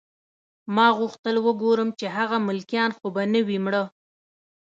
ما غوښتل وګورم چې هغه ملکیان خو به نه وي مړه